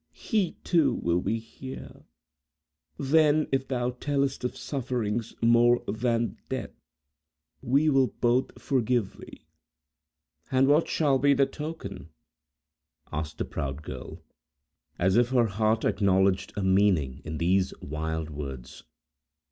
He, too, will be here! Then, if thou tellest of sufferings more than death, we will both forgive thee." "And what shall be the token?" asked the proud girl, as if her heart acknowledged a meaning in these wild words.